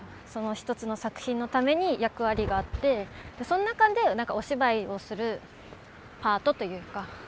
その一つの作品のために役割があってその中でお芝居をするパートというか。